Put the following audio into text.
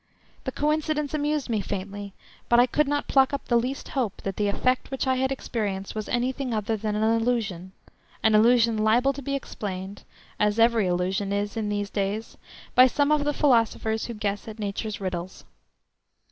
The coincidence amused me faintly, but I could not pluck up the least hope that the effect which I had experienced was anything other than an illusion, an illusion liable to be explained (as every illusion is in these days) by some of the philosophers who guess at Nature's riddles.